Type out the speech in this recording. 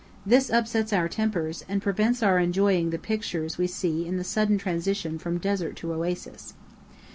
This upsets our tempers, and prevents our enjoying the pictures we see in the sudden transition from desert to oasis.